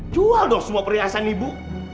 jual dong semua perhiasan ibu